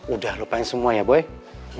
udah lupain semua ya boy